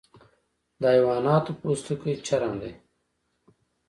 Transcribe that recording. د حیواناتو پوستکی چرم دی